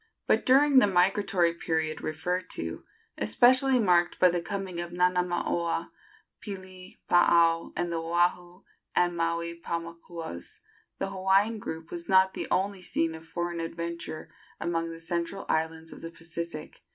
But during the migratory period referred to, especially marked by the coming of Nanamaoa, Pili, Paao and the Oahu and Maui Paumakuas, the Hawaiian group was not the only scene of foreign adventure among the central islands of the Pacific.